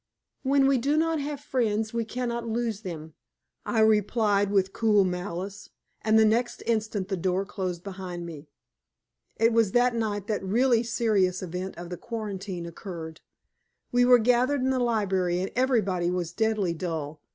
"'When we do not have friends we can not lose them,'" I replied with cool malice. And the next instant the door closed behind me. It was that night that the really serious event of the quarantine occurred. We were gathered in the library, and everybody was deadly dull.